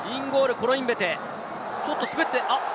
コロインベテ、ちょっと滑って。